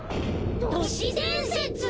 都市伝説！？